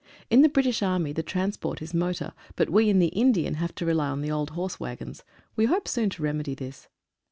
In the British Army the trans port is motor, but we in the Indian have to rely on the old horse waggons. We hope soon to remedy this.